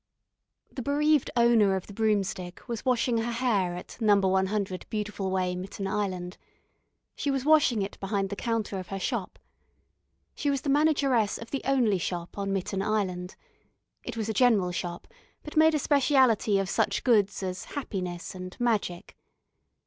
The bereaved owner of the broomstick was washing her hair at Number 100 Beautiful Way, Mitten Island. She was washing it behind the counter of her shop. She was the manageress of the only shop on Mitten Island. It was a general shop, but made a speciality of such goods as Happiness and Magic.